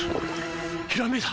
ひらめいた！